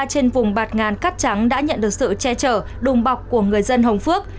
trên vùng bạt ngàn cắt trắng đã nhận được sự che chở đùng bọc của người dân hồng phước